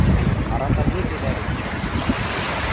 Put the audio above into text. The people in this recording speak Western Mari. Аратаге кедӓрем! – манеш.